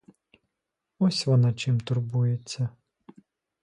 Ось вона чим турбується!